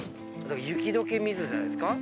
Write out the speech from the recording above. だから雪解け水じゃないですか？